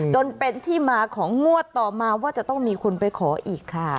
จนเป็นที่มาของงวดต่อมาว่าจะต้องมีคนไปขออีกค่ะ